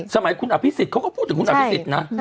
สมัยคุณอภิสิทธิ์เขาก็พูดถึงคุณอภิสิทธิ์นะ